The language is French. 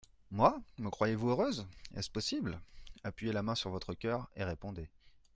Moi ? Me croyez-vous heureuse ? est-ce possible ? Appuyez la main sur votre coeur, et répondez.